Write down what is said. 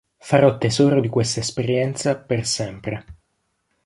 Farò tesoro di questa esperienza per sempre.